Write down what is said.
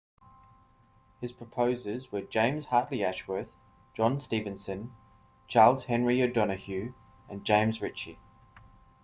His proposers were James Hartley Ashworth, John Stephenson, Charles Henry O'Donoghue and James Ritchie.